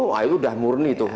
wah itu udah murni tuh